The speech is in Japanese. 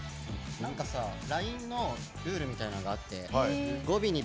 ＬＩＮＥのルールみたいなのがあって語尾に「！」